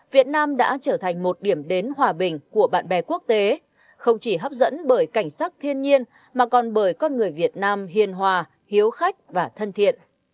việt nam đã trở thành một điểm đến hòa bình của bạn bè quốc tế không chỉ hấp dẫn bởi cảnh sắc thiên nhiên mà còn bởi con người việt nam hiền hòa hiếu khách và thân thiện